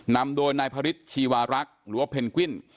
นำโดยนายพระฤทธิวารักษ์หรือว่าเพนกวิน